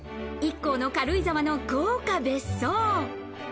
ＩＫＫＯの軽井沢の豪華別荘。